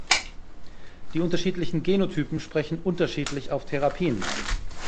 Die unterschiedlichen Genotypen sprechen unterschiedlich auf Therapien an.